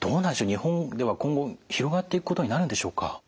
日本では今後広がっていくことになるんでしょうか？